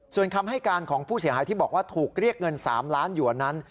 ส่วนคำให้การของผู้เสียหายที่บอกว่าถูกเรียกเงิน๓ล้านอยู่นั้น